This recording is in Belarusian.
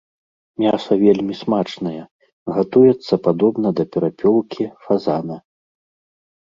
Мяса вельмі смачнае, гатуецца падобна да перапёлкі, фазана.